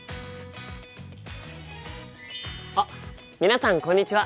あっ皆さんこんにちは！